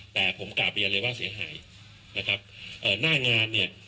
แต่ผมกลับเรียนเลยว่าเสียหายนะครับเอ่อหน้างานเนี่ย